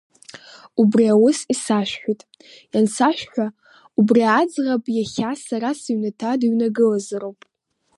Убри аус, исашәҳәит, иансашәҳәа, убри аӡӷаб иахьа сара сыҩнаҭа дыҩнагылазароуп!